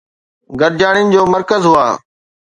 گڏجاڻين جو مرڪز هئا